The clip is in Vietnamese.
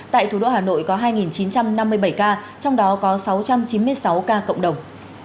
tại thủ đô hà nội có hai chín trăm năm mươi bảy ca trong đó có sáu trăm chín mươi sáu ca cộng đồng